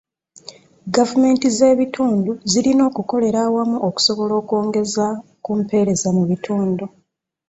Gavumenti z'ebitundu zirina okukolera awamu okusobola okwengeza ku mpeereza mu bitundu.